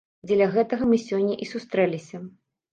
Дзеля гэтага мы сёння і сустрэліся.